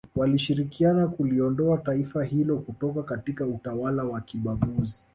walishirikiana kuliondoa taifa hilo kutoka katika utawala wa kibaguzi